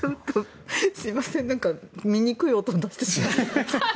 すみません醜い音を出してしまって。